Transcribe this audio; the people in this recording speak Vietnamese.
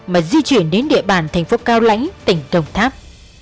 mà di chuyển đến địa bàn thành phố cao lãnh tỉnh đồng tháp